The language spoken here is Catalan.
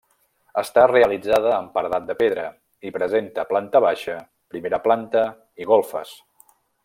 Està realitzada amb paredat de pedra i presenta planta baixa, primera planta i golfes.